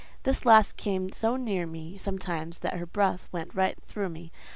This last came so near me sometimes that her breath went right through me.